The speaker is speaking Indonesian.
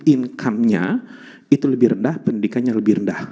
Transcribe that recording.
income nya itu lebih rendah pendidikannya lebih rendah